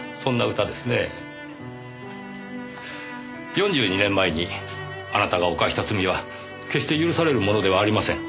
４２年前にあなたが犯した罪は決して許されるものではありません。